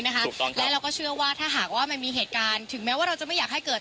ถูกต้องและเราก็เชื่อว่าถ้าหากว่ามันมีเหตุการณ์ถึงแม้ว่าเราจะไม่อยากให้เกิด